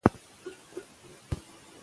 سړی خپل کورتۍ واغوست.